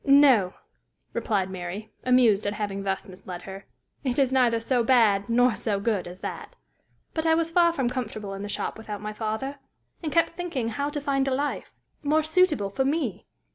"No," replied Mary, amused at having thus misled her. "It is neither so bad nor so good as that. But I was far from comfortable in the shop without my father, and kept thinking how to find a life, more suitable for me.